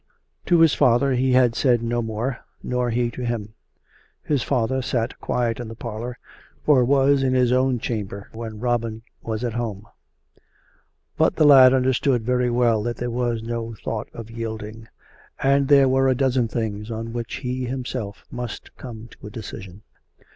To his father he had said no more, nor he to him. His father sat quiet in the parlour, or was in his own chamber when Robin was at home; but the lad understood very well that there was no thought of yielding. And there were a dozen things on which he himself must come to a decision.